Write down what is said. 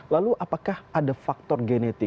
lalu apakah ada faktor genetik